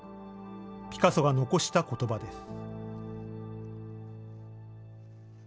ピカソが残したことばです。